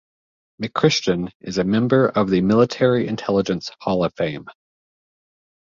McChristian is a member of the Military Intelligence Hall of Fame.